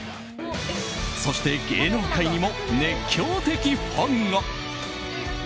そして芸能界にも熱狂的ファンが。